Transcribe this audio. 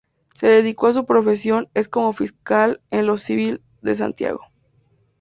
Se dedicó a su profesión en como fiscal en lo civil, de Santiago.